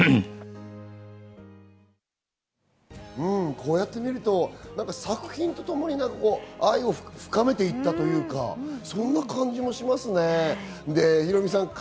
こうやって見ると、作品とともに愛を深めていったというか、そんな感じもしますね。